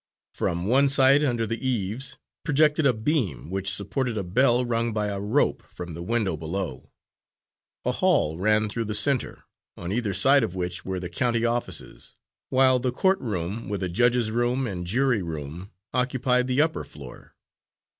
From one side, under the eaves, projected a beam, which supported a bell rung by a rope from the window below. A hall ran through the centre, on either side of which were the county offices, while the court room with a judge's room and jury room, occupied the upper floor.